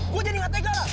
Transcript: gue jadi gak tega lah